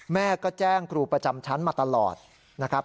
แม่ก็แจ้งครูประจำชั้นมาตลอดนะครับ